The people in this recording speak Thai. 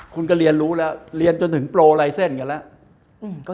คุณก็เรียนรู้แล้วเรียนจนถึงโปรไลเซ็นต์กันแล้ว